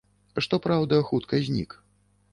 Што праўда, хутка знік.